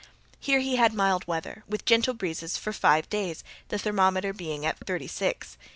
Here he had mild weather, with gentle breezes, for five days, the thermometer being at thirty six.